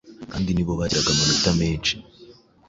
kandi ni bo bagiraga amanota meza